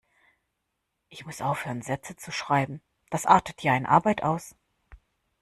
Ich muss aufhören Sätze zu schreiben, das artet ja in Arbeit aus.